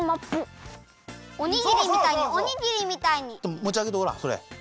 もちあげてごらんそれ。